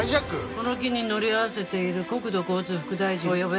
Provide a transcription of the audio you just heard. この機に乗り合わせている国土交通副大臣を呼べ。